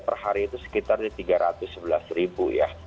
per hari itu sekitar di tiga ratus sebelas ya